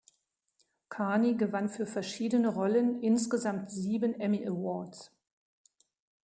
Carney gewann für verschiedene Rollen insgesamt sieben Emmy Awards.